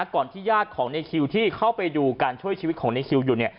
ที่ญาติของในคิวที่เข้าไปดูการช่วยชีวิตของในคิวอยู่